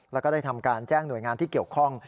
แล้วก็ได้ทำการแจ้งหน่วยงานที่เกี่ยวข้อง